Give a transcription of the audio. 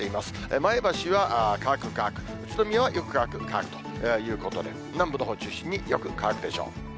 前橋は乾く、乾く、宇都宮はよく乾く、乾くということで、南部のほう中心に、よく乾くでしょう。